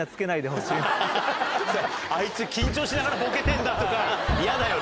「あいつ緊張しながらボケてんだ」とか嫌だよな。